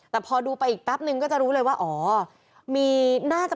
แต่พอดูไปอีกแป๊บนึงก็จะรู้เลยว่าอ๋อมีน่าจะ